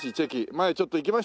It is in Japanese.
前ちょっと行きましたね。